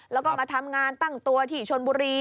แล้วก็มาทำงานตั้งตัวที่ชนบุรี